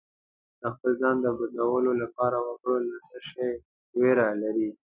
د خپل ځان د بدلون لپاره وګره له څه شي ویره لرې